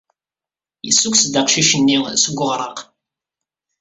Yessukkes-d aqcic-nni seg uɣraq.